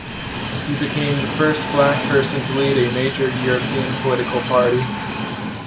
He became the first black person to lead a major European political party.